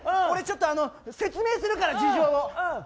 おれ、ちょっと説明するから事情を！